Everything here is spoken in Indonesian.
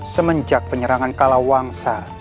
semenjak penyerangan kalawangsa